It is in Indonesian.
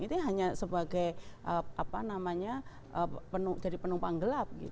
itu hanya sebagai apa namanya jadi penumpang gelap